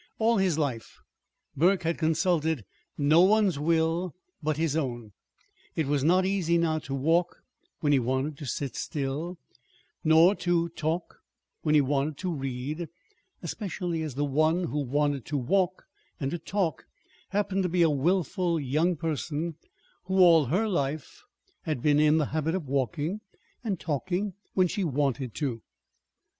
All his life Burke had consulted no one's will but his own. It was not easy now to walk when he wanted to sit still, nor to talk when he wanted to read; especially as the one who wanted him to walk and to talk happened to be a willful young person who all her life had been in the habit of walking and talking when she wanted to.